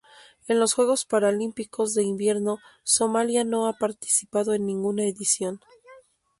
En los Juegos Paralímpicos de Invierno Somalia no ha participado en ninguna edición.